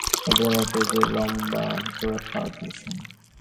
ভগবান এঁকেও যে লম্বা এক জোড়া পা দিয়েছেন।